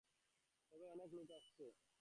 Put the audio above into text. তবে অনেক লোক আসছে।